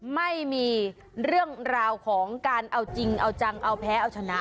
ไม่มีเรื่องราวของการเอาจริงเอาจังเอาแพ้เอาชนะ